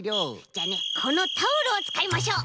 じゃあねこのタオルをつかいましょう。